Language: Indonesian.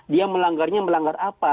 dia melanggarnya melanggar apa